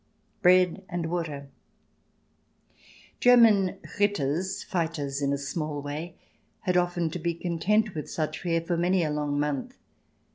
Bread and water ! German Ritters, fighters in a small way, had often to be content with such fare for many a long month.